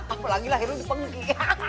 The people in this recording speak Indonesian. apalagi lahir lu di penggi